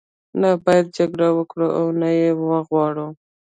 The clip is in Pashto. نه باید جګړه وکړو او نه یې وغواړو.